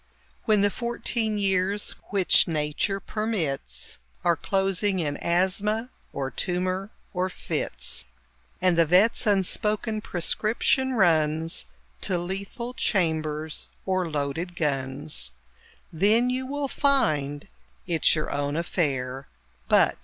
When the fourteen years which Nature permits Are closing in asthma, or tumour, or fits, And the vet's unspoken prescription runs To lethal chambers or loaded guns, Then you will find it's your own affair But...